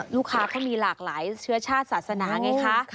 ลูกค้าเขามีหลากหลายเชื้อชาติศาสนาไงคะ